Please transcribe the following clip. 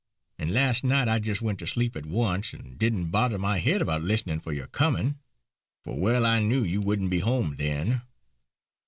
And last night I just went to sleep at once and didn't bother my head about listenin' for your comin'; for well I knew you wouldn't be home then.